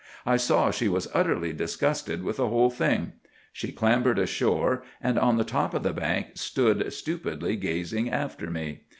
I saw she was utterly disgusted with the whole thing. She clambered ashore, and on the top of the bank stood stupidly gazing after me.